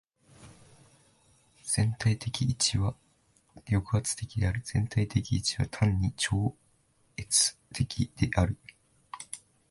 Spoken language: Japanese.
全体的一は抑圧的である。全体的一は単に超越的である。